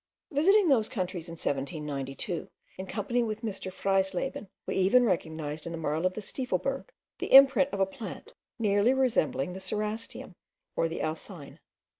Visiting those countries in 1792, in company with Mr. Freiesleben, we even recognized in the marl of the Stiefelberg the imprint of a plant nearly resembling the Cerastium, or the Alsine.